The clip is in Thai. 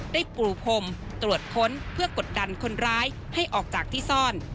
ปรูพรมตรวจค้นเพื่อกดดันคนร้ายให้ออกจากที่ซ่อน